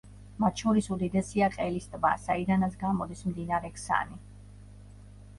მათ შორის უდიდესია ყელის ტბა, საიდანაც გამოდის მდინარე ქსანი.